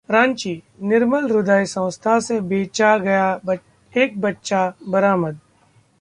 रांची: ‘निर्मल हृदय’ संस्था से बेचा गया एक बच्चा बरामद